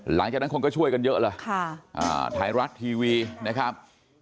หลังจากนั้นคนก็ช่วยกันเยอะเลยไทยรัฐทีวีนะครับ